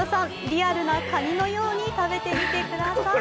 リアルなカニのように食べてみてください。